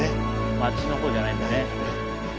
街のほうじゃないんだね。